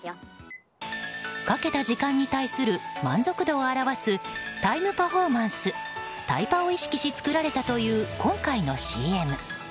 かけた時間に対する満足度を表すタイムパフォーマンスタイパを意識し作られたという今回のＣＭ。